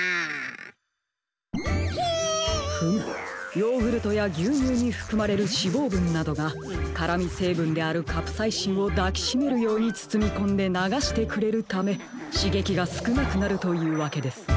ヨーグルトやぎゅうにゅうにふくまれる脂肪分などが辛みせいぶんであるカプサイシンを抱きしめるようにつつみこんでながしてくれるためしげきがすくなくなるというわけですね。